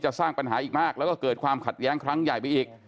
สร้างปัญหาอีกมากแล้วก็เกิดความขัดแย้งครั้งใหญ่ไปอีก